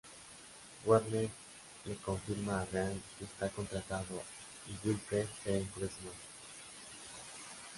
Warner le confirma a Ryan que está contratado y Wilfred se enfurece más.